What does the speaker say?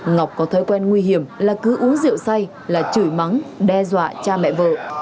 ngọc có thói quen nguy hiểm là cứ uống rượu say là chửi mắng đe dọa cha mẹ vợ